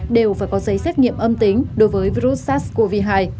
đều phải có giấy xét nghiệm âm tính đối với virus sars cov hai